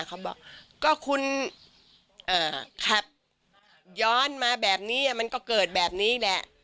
เขาบอกก็คุณขับย้อนมาแบบนี้มันก็เกิดแบบนี้แหละ